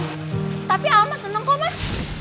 tapi almar seneng kok mas